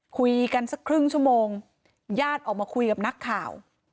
คุยกันสักครึ่งชั่วโมงญาติออกมาคุยกับนักข่าว